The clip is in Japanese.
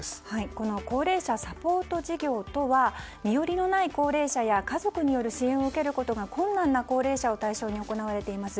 この高齢者サポート事業とは身寄りのない高齢者や家族による支援を受けるのが困難な高齢者を対象に行われています